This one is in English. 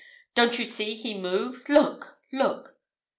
"Don't you see he moves? look, look!"